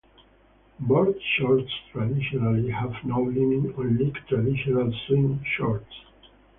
Boardshorts traditionally have no lining, unlike traditional swim shorts.